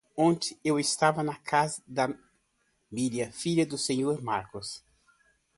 Ontem eu estava na casa da Miriam, filha do Senhor Marcos.